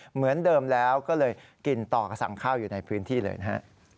เหมือนเดิมแล้วก็เลยกินต่อกับสั่งข้าวอยู่ในพื้นที่เลยนะฮะ